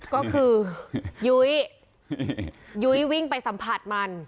ก็คือยุ้ยยุ้ยวิ่งไปสัมผัสมัน